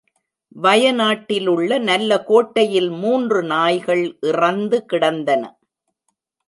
வயநாட்டிலுள்ள நல்ல கோட்டையில் மூன்று நாய்கள் இறந்து கிடந்தன.